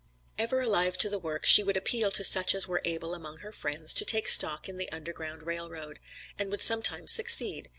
'" Ever alive to the work, she would appeal to such as were able among her friends, to take stock in the Underground Rail Road, and would sometimes succeed.